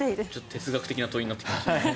哲学的な問いになってきました。